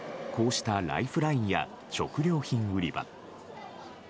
こうしたライフラインや食料品売り場。